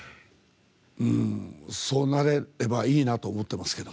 そうなれればいいなと思ってますから。